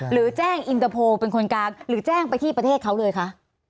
หรือแจ้งอินเตอร์โพลเป็นคนกลางหรือแจ้งไปที่ประเทศเขาเลยคะ